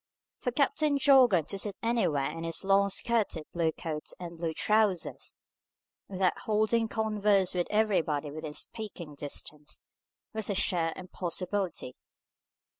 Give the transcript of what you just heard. For Captain Jorgan to sit anywhere in his long skirted blue coat and blue trousers, without holding converse with everybody within speaking distance, was a sheer impossibility.